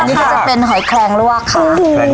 นี่ก็จะเป็นหอยแคลงลวกค่ะ